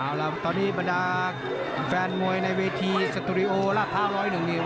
เอาล่ะตอนนี้บรรดาแฟนมวยในเวทีสตูดิโอรับภาพร้อยหนึ่ง